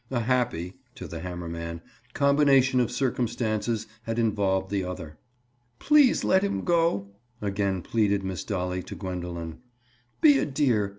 A happy (to the hammer man) combination of circumstances had involved the other. "Please let him go," again pleaded Miss Dolly to Gwendoline. "Be a dear.